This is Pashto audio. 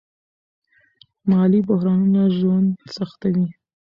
مالي بحرانونه ژوند سختوي.